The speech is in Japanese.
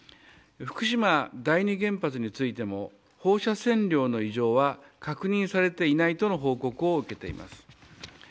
福島第二原発についても放射線量の異常は確認されていないとの報告を受けています。